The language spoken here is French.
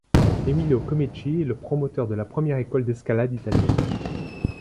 Emilio Comici est le promoteur de la première école d'escalade italienne.